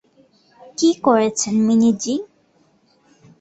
কী করেছেন মিনি জি?